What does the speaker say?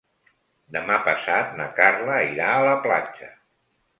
Demà passat na Carla irà a la platja.